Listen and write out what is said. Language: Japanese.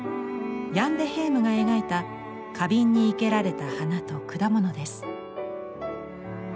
ヤン・デ・ヘームが描いた花瓶に生けられた花と果物です。